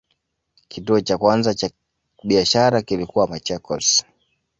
Kituo cha kwanza cha biashara kilikuwa Machakos.